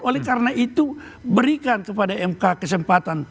oleh karena itu berikan kepada mk kesempatan